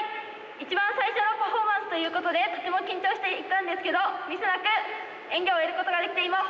一番最初のパフォーマンスということでとても緊張していたんですけどミスなく演技を終えることができて今はホッとしています。